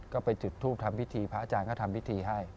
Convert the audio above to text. ก็ไปจุดทูปทำพิธีพระอาจารย์ก็ทำพิธีให้